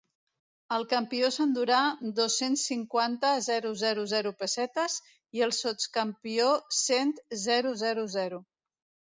El campió s'endurà dos-cents cinquanta.zero zero zero ptes i el sots-campió cent.zero zero zero.